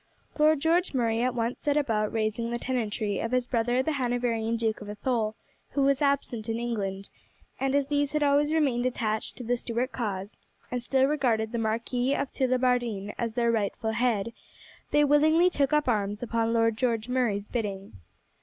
Lord George Murray at once set about raising the tenantry of his brother the Hanoverian Duke of Athole, who was absent in England, and as these had always remained attached to the Stuart cause, and still regarded the Marquis of Tullibardine as their rightful head, they willingly took up arms upon Lord George Murray's bidding.